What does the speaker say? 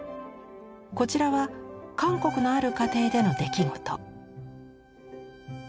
こちらは韓国のある家庭での出来事。